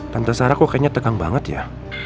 tante sarah kok kayaknya tegang banget ya